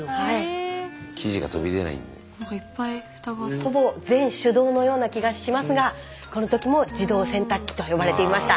ほぼ全手動のような気がしますがこの時も自動洗濯機と呼ばれていました。